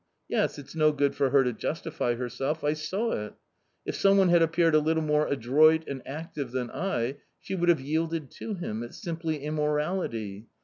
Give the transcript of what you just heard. Yes, it's no good for her to justify herself, I saw it ! If some one had appeared a little more adroit and active than I, she would have yielded to him ; it's simply immorality